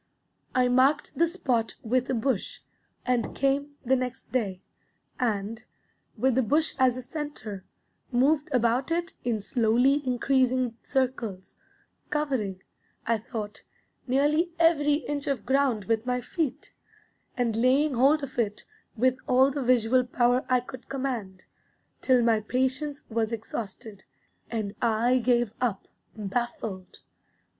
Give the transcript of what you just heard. I marked the spot with a bush, and came the next day, and, with the bush as a centre, moved about it in slowly increasing circles, covering, I thought, nearly every inch of ground with my feet, and laying hold of it with all the visual power I could command, till my patience was exhausted, and I gave up, baffled.